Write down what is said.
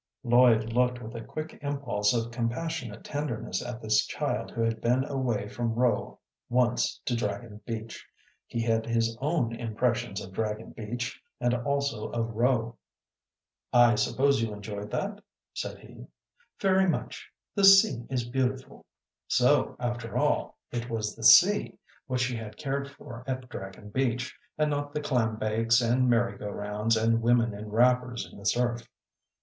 Lloyd looked with a quick impulse of compassionate tenderness at this child who had been away from Rowe once to Dragon Beach. He had his own impressions of Dragon Beach and also of Rowe. "I suppose you enjoyed that?" said he. "Very much. The sea is beautiful." So, after all, it was the sea which she had cared for at Dragon Beach, and not the clam bakes and merry go rounds and women in wrappers in the surf.